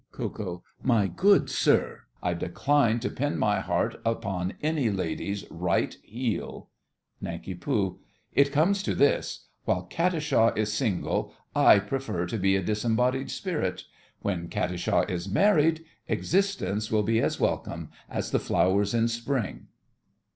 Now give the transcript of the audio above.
KO. My good sir, I decline to pin my heart upon any lady's right heel. NANK. It comes to this: While Katisha is single, I prefer to be a disembodied spirit. When Katisha is married, existence will be as welcome as the flowers in spring.